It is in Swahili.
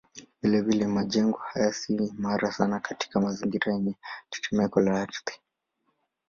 Vilevile majengo haya si imara sana katika mazingira yenye tetemeko la ardhi.